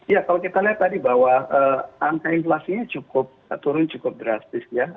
ya kalau kita lihat tadi bahwa angka inflasinya cukup turun cukup drastis ya